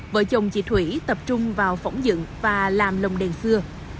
vợ chồng chị thủy tập trung vào phỏng dựng và làm lồng đèn xưa